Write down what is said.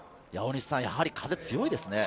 やはり風が強いですね。